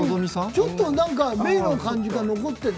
ちょっと目の感じが残ってる。